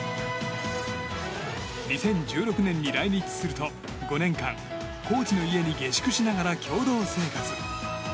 ２０１６年に来日すると、５年間コーチの家に下宿しながら共同生活。